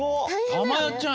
たまよちゃん